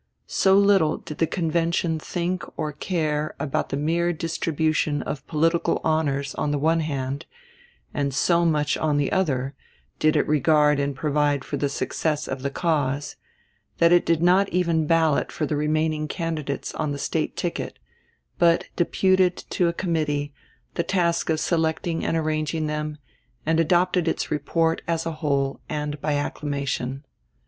So little did the convention think or care about the mere distribution of political honors on the one hand, and so much, on the other, did it regard and provide for the success of the cause, that it did not even ballot for the remaining candidates on the State ticket, but deputed to a committee the task of selecting and arranging them, and adopted its report as a whole and by acclamation.